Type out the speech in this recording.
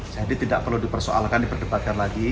jadi tidak perlu dipersoalkan diperdebatkan lagi